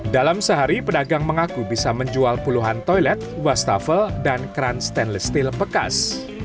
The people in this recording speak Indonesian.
dalam sehari pedagang mengaku bisa menjual puluhan toilet wastafel dan kran stainless steel bekas